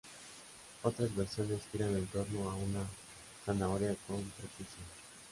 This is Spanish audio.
Otras versiones giran en torno a una "zanahoria" con prepucio.